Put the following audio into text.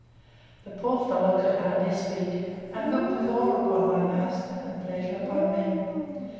—The poor fellow could hardly speak, and looked with awe upon my master, and pleasure upon me.